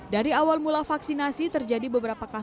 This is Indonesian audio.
dari awal mula vaksinasi terjadi beberapa kasus